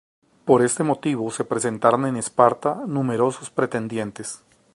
Por este motivo se presentaron en Esparta numerosos pretendientes.